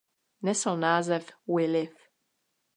Nesl název "We Live".